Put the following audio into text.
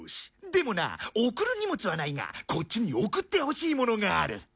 でもな送る荷物はないがこっちに送ってほしいものがある。